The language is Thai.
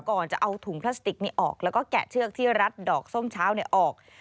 ก่อนจะเอาถุงพลาสติกนี้ออกแล้วก็แกะเชือกที่รัดดอกส้มเช้าออก